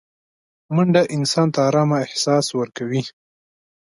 منډه انسان ته ارامه احساس ورکوي